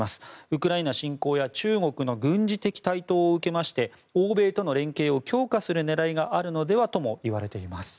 ウクライナ侵攻や中国の軍事的台頭を受けまして欧米との連携を強化する狙いがあるのではともいわれています。